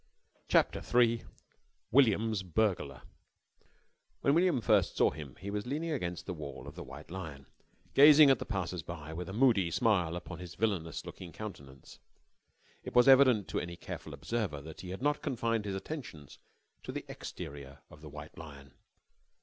_ CHAPTER III WILLIAM'S BURGLAR When William first saw him he was leaning against the wall of the White Lion, gazing at the passers by with a moody smile upon his villainous looking countenance. It was evident to any careful observer that he had not confined his attentions to the exterior of the White Lion.